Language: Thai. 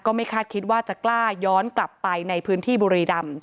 ไม่คาดคิดว่าจะกล้าย้อนกลับไปในพื้นที่บุรีรำ